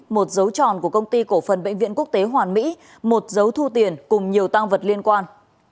một dấu tròn của công ty cổ phần bệnh viện quốc tế hoàn mỹ một dấu thu tiền cùng nhiều tăng vật liên quan